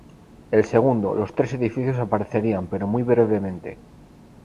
El segundo, los tres edificios aparecerían pero muy brevemente.